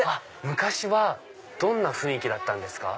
昔はどんな雰囲気だったんですか？